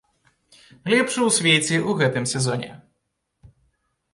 Лепшы ў свеце ў гэтым сезоне!